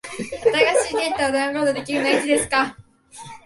新しいデータをダウンロードできるのはいつですか？